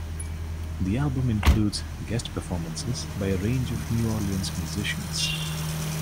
The album includes guest performances by a range of New Orleans musicians.